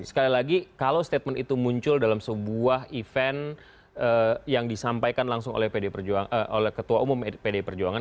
sekali lagi kalau statement itu muncul dalam sebuah event yang disampaikan langsung oleh ketua umum pdi perjuangan